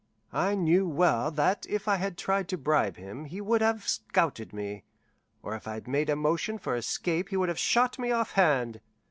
I knew well that if I had tried to bribe him he would have scouted me, or if I had made a motion for escape he would have shot me off hand.